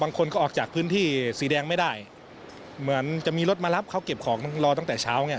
เพราะว่าพื้นที่สีแดงต้องเป็นรถทหารเท่านั้น